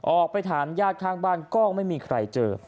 ออกไปถามญาติข้างบ้านก็ไม่มีใครเจอ